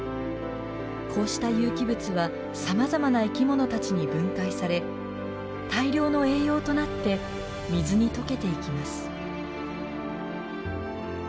こうした有機物はさまざまな生きものたちに分解され大量の栄養となって水に溶けていきます。